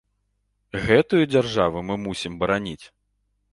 Гэтую дзяржаву мы мусім бараніць?